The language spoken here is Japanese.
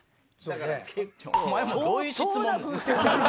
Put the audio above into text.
お前もどういう質問なん？